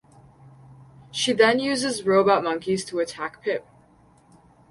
She then uses robot monkeys to attack Pip.